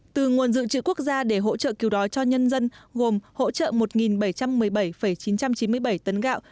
từ nguồn dự trữ quốc gia để hỗ trợ cứu đói cho nhân dân gồm hỗ trợ một bảy trăm một mươi bảy chín trăm chín mươi bảy tấn gạo